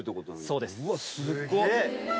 うわっすっごい。